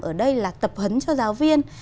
ở đây là tập hấn cho giáo viên